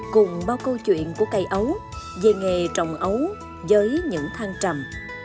cùng bao câu chuyện của cây ấu về nghề trồng ấu với những thang trầm